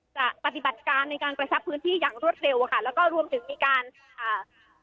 ปฏิบัติการในการกระชับพื้นที่อย่างรวดเร็วอะค่ะแล้วก็รวมถึงมีการอ่า